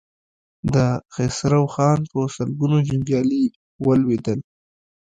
د خسرو خان په سلګونو جنګيالي ولوېدل.